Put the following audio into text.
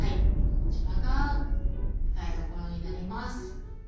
こちらが台所になります。